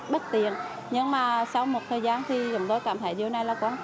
việc đeo khẩu trang này lúc đầu thì chúng tôi cảm thấy rất là bất tiện